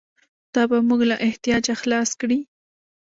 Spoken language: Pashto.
دا به موږ له احتیاجه خلاص کړي.